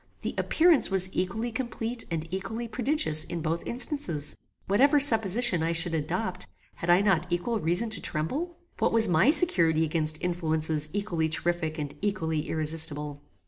The appearance was equally complete and equally prodigious in both instances. Whatever supposition I should adopt, had I not equal reason to tremble? What was my security against influences equally terrific and equally irresistable?